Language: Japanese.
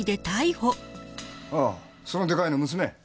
ああそのでかいの娘？